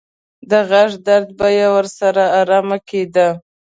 د غاښ درد به یې ورسره ارام کېده.